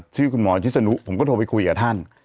ชื่อคุณหมอชิศนุผมก็โทรไปคุยกับท่าน